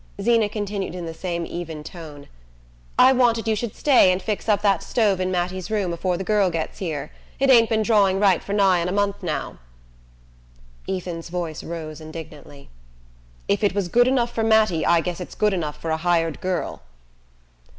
Zeena continued in the same even tone: "I wanted you should stay and fix up that stove in Mattie's room afore the girl gets here. It ain't been drawing right for nigh on a month now." Ethan's voice rose indignantly. "If it was good enough for Mattie I guess it's good enough for a hired girl."